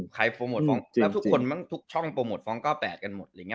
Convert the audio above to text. และทุกช่องโปรโมทฟร้อง๙๘กันหมด